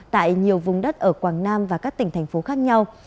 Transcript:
tại nhiều vùng đất ở quảng nam và các tỉnh thành phố khác nhau